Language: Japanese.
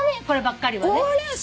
こればっかりはね。